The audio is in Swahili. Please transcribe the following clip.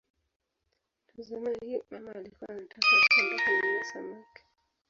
Tazama hii: "mama alikuwa anataka kwenda kununua samaki".